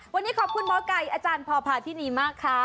วันนี้ขอบคุณหมอไก่อาจารย์พอพาทินีมากค่ะ